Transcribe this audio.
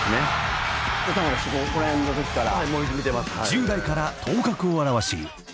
［１０代から頭角を現し